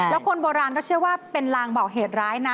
แล้วคนโบราณก็เชื่อว่าเป็นลางบอกเหตุร้ายนะ